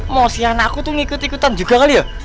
mau si anakku tuh ngikut ikutan juga kali ya